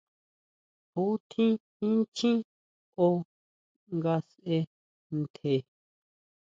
¿Ju tjín inchjín ó nga sʼe ntje?